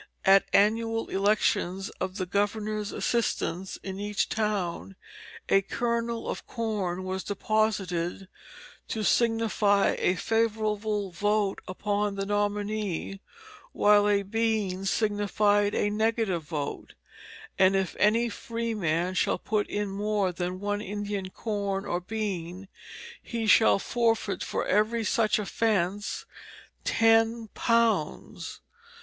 At annual elections of the governors' assistants in each town, a kernel of corn was deposited to signify a favorable vote upon the nominee, while a bean signified a negative vote; "and if any free man shall put in more than one Indian corn or bean he shall forfeit for every such offence Ten Pounds."